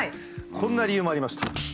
こんな理由もありました。